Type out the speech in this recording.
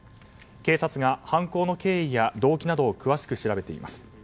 警察が犯行の経緯や動機などを詳しく調べています。